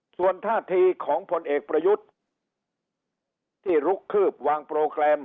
ส่วนท่าทีของผลเอกประยุทธ์ที่ลุกคืบวางโปรแกรม